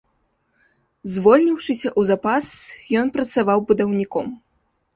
Звольніўшыся ў запас, ён працаваў будаўніком.